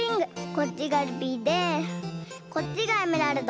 こっちがルビーでこっちがエメラルド。